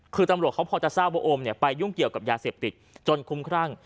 คือตำรวจเขาพอจะทราบว่าโอมไปยุ่งเกี่ยวกับยาเสพติดจนคุ้มครั่ง